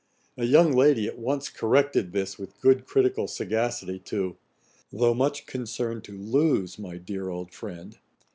A young lady at once corrected this with good critical sagacity, to 'Tho' much concern'd to lose my dear old friend.'